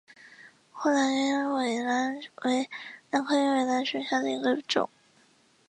阔瓣鸢尾兰为兰科鸢尾兰属下的一个种。